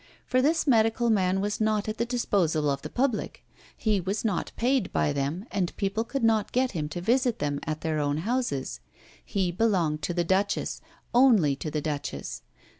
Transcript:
For this medical man was not at the disposal of the public. He was not paid by them, and people could not get him to visit them at their own houses. He belonged to the Duchess, only to the Duchess.